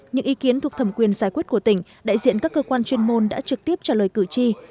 những ý kiến thuộc thẩm quyền giải quyết của tỉnh đại diện các cơ quan chuyên môn đã trực tiếp trả lời cử tri